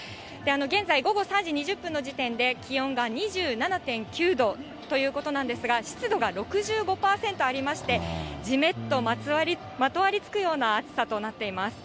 現在、午後３時２０分の時点で気温が２７．９度ということなんですが、湿度が６５％ありまして、じめっとまとわりつくような暑さとなっています。